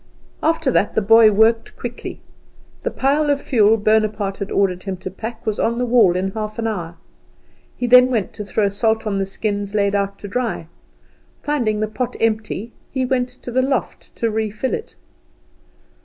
After that the boy worked quickly. The pile of fuel Bonaparte had ordered him to pack was on the wall in half an hour. He then went to throw salt on the skins laid out to dry. Finding the pot empty, he went to the loft to refill it.